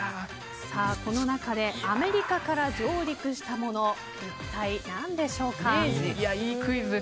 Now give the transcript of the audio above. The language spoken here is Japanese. この中でアメリカから上陸したもの一体何でしょうか。